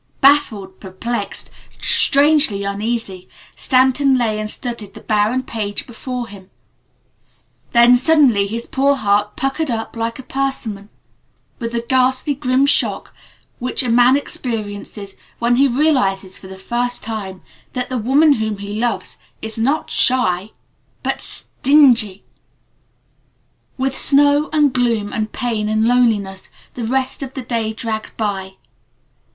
Baffled, perplexed, strangely uneasy, Stanton lay and studied the barren page before him. Then suddenly his poor heart puckered up like a persimmon with the ghastly, grim shock which a man experiences when he realizes for the first time that the woman whom he loves is not shy, but stingy. With snow and gloom and pain and loneliness the rest of the day dragged by.